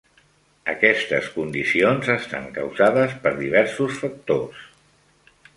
Aquestes condicions estan causades per diversos factors.